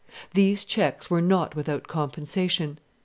These checks were not without compensation.